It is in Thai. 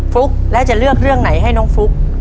ฟุ๊กแล้วจะเลือกเรื่องไหนให้น้องฟลุ๊ก